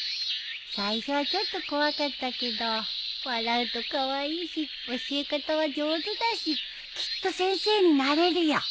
最初はちょっと怖かったけど笑うとカワイイし教え方は上手だしきっと先生になれるよ。